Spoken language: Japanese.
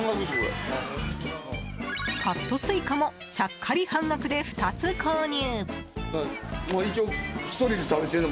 カットスイカもちゃっかり半額で２つ購入。